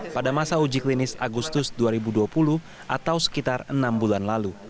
pada masa uji klinis agustus dua ribu dua puluh atau sekitar enam bulan lalu